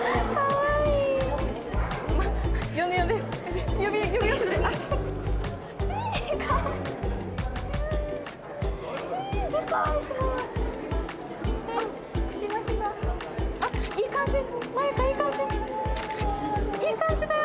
いい感じだよ！